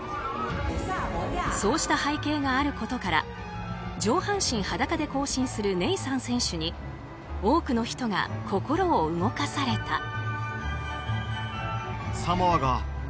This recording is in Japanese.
そうした背景があることから上半身裸で行進するネイサン選手に多くの人が心動かされた。